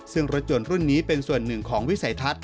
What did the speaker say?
ซึ่งรถยนต์รุ่นนี้เป็นส่วนหนึ่งของวิสัยทัศน